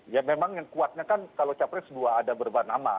ya memang yang kuatnya kan kalau capres dua ada berubah nama